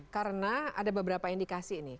karena ada beberapa indikasi nih